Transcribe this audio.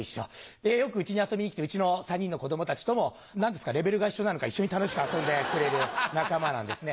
でよく家に遊びに来てうちの３人の子供たちとも何ですかレベルが一緒なのか一緒に楽しく遊んでくれる仲間なんですね。